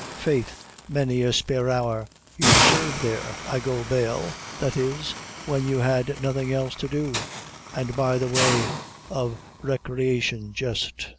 Faith, many a spare hour you've sarved there, I go bail, that is, when, you had nothing else to do an' by the way of raycreation jist."